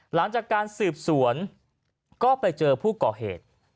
หลังจากการสืบสวนก็ไปเจอผู้ก่อเหตุ